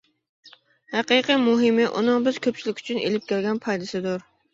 ھەقىقىي مۇھىمى، ئۇنىڭ بىز كۆپچىلىك ئۈچۈن ئېلىپ كەلگەن پايدىسىدۇر.